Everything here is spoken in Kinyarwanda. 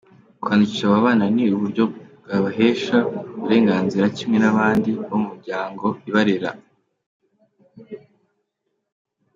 Kwandikisha aba bana ni uburyo bwabahesha uburenganzira kimwe n’abandi bo mu miryango ibarera.